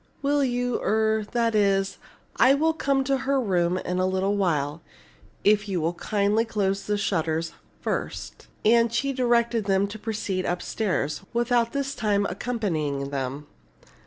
"Will you er that is, I will come to her room in a little while if you will kindly close the shutters first!" And she directed them to proceed upstairs, without this time accompanying them.